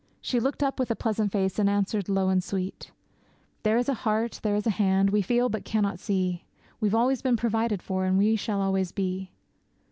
She looked up with a pleasant face, and answered low and sweet, There is a Heart, there is a Hand, we feel but cannot see; We've always been provided for, and we shall always be.'